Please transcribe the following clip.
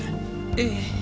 ええ。